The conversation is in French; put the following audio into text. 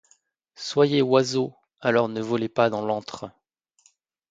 Soyez oiseaux ; alors ne volez pas dans l'antre ;